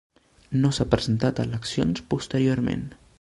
No s'ha presentat a eleccions posteriorment.